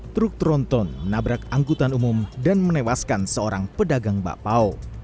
truk tronton menabrak angkutan umum dan menewaskan seorang pedagang bakpao